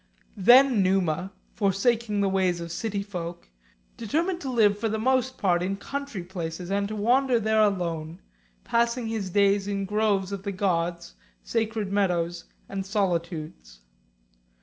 IV. Then Numa, forsaking the ways of city folk, determined to live for the most part in country places, and to wander there alone, passing his days in groves of the gods, sacred meadows, and solitudes.